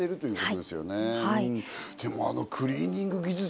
でも、あのクリーニング技術